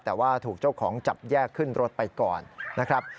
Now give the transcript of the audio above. แต่ว่าถูกเจ้าของจับแยกขึ้นรถไปก่อนนะครับ